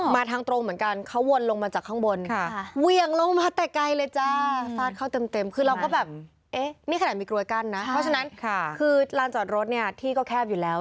เพราะฉะนั้นคือร้านจอดรถที่ก็แคบอยู่แล้ว